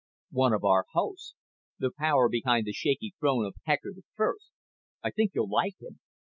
"One of our hosts. The power behind the shaky throne of Hector the First. I think you'll like him.